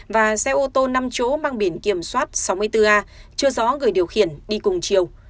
và xe ô tô năm chỗ mang biển kiểm soát sáu mươi bốn a chưa rõ người điều khiển đi cùng chiều